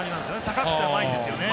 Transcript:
高くて甘いんですよね。